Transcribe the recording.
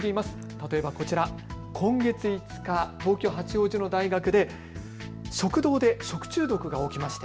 例えばこちら、今月５日、東京八王子の大学で食堂で食中毒が起きました。